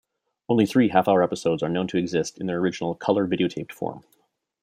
Only three half-hour episodes are known to exist in their original color videotaped form.